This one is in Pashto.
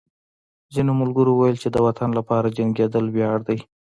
ځینو ملګرو ویل چې د وطن لپاره جنګېدل ویاړ دی